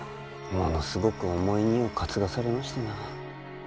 ものすごく重い荷を担がされましてな。